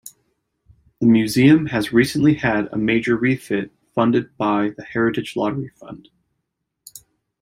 The museum has recently had a major refit funded by the Heritage Lottery Fund.